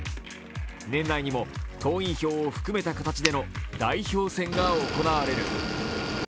年内にも党員票を含めた形での代表選が行われる。